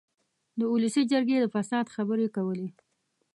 د اولسي جرګې د فساد خبرې کولې.